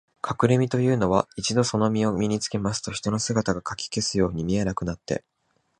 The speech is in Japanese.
かくれみのというのは、一度そのみのを身につけますと、人の姿がかき消すように見えなくなって、